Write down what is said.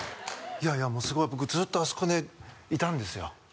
いやいやもうすごい僕ずっとあそこにいたんですよ